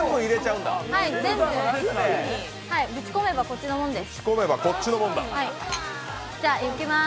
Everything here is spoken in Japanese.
全部、ぶち込めばこっちのもんです。